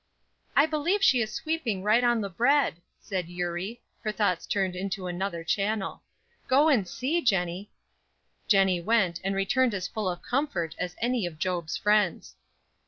"I believe she is sweeping right on the bread," said Eurie, her thoughts turned into another channel. "Go and see, Jennie." Jennie went, and returned as full of comfort as any of Job's friends.